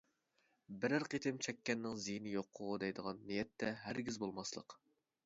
بىرەر قېتىم چەككەننىڭ زىيىنى يوققۇ دەيدىغان نىيەتتە ھەرگىز بولماسلىق.